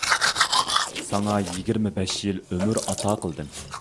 ساڭا يىگىرمە بەش يىل ئۆمۈر ئاتا قىلدىم.